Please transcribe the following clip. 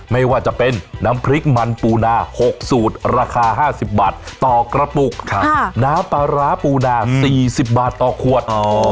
ไม่ว่าจะเป็นน้ำพริกมันปูนา๖สูตรราคา๕๐บาทต่อกระปุกน้ำปลาร้าปูนา๔๐บาทต่อขวด